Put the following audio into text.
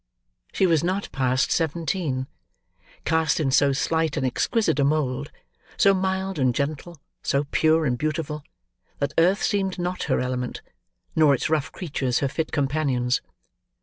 She was not past seventeen. Cast in so slight and exquisite a mould; so mild and gentle; so pure and beautiful; that earth seemed not her element, nor its rough creatures her fit companions.